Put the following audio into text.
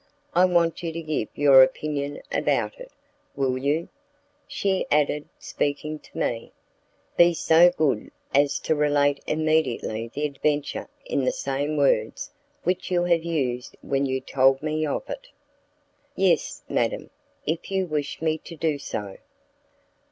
I want you to give your opinion about it. Will you," she added, speaking to me, "be so good as to relate immediately the adventure in the same words which you have used when you told me of it?" "Yes, madam, if you wish me to do so."